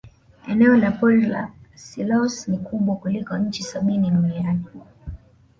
eneo la pori la selous ni kubwa kuliko nchi sabini duniani